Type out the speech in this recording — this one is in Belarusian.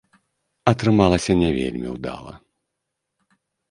Атрымалася не вельмі ўдала.